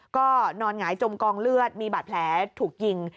ก็นอนหงายจมกองเลือดมีบาดแผลถูกยิง